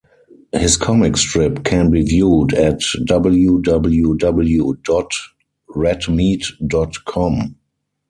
His comic strip can be viewed at www dot redmeat dot com.